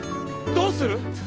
どうする！